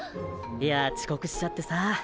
いや遅刻しちゃってさ。